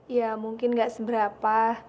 ya mungkin nggak seberapa